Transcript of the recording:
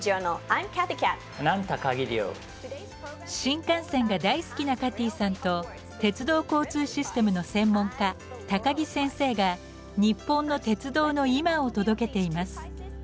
新幹線が大好きなカティーさんと鉄道交通システムの専門家高木先生が日本の鉄道の今を届けています。